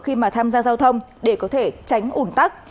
khi mà tham gia giao thông để có thể tránh ủn tắc